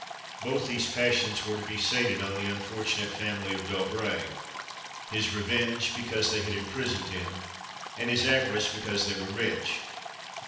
Both these passions were to be sated on the unfortunate family of D'Aubray; his revenge, because they had imprisoned him; and his avarice, because they were rich.